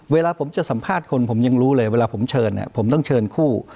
เวลาผมจะสัมภาษณ์คนผมยังรู้เลยเวลาผมเชิญผมต้องเชิญคู่